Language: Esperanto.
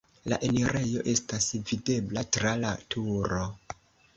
La enirejo estas videbla tra la turo.